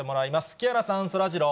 木原さん、そらジロー。